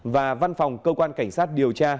và văn phòng cơ quan cảnh sát điều tra